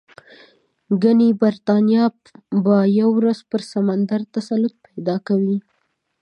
ګنې برېټانیا به یوه ورځ پر سمندر تسلط پیدا کوي.